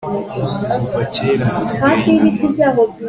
kuva kera hasigaye inyuma